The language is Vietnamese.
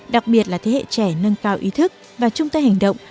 đặc biệt là thế hệ trẻ nâng cao ý thức và chung tay hành động